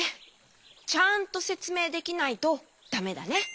ちゃんとせつめいできないとだめだね。